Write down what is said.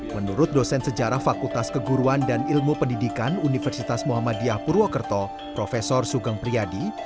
menurut dosen sejarah fakultas keguruan dan ilmu pendidikan universitas muhammadiyah purwokerto prof sugeng priyadi